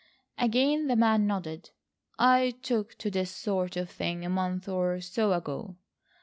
Again the man nodded. "I took to this sort of thing a month or so ago."